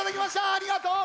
ありがとう！